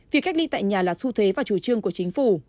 việc cách ly tại nhà là su thế và chủ trương của chính phủ